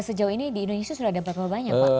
sejauh ini di indonesia sudah ada berapa banyak pak